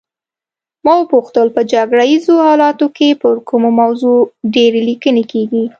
ما وپوښتل په جګړه ایزو حالاتو کې پر کومه موضوع ډېرې لیکنې کیږي.